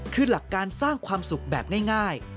คือหลักการสร้างความสุขแบบง่าย